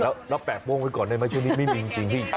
แล้วแปลกโปร่งไว้ก่อนได้ไหมช่วยนิดสิ่งที่